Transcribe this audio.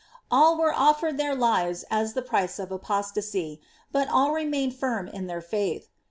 All were oliered tlieir lives as the price ot apoiiasy ; but all remained firm in llieir faith.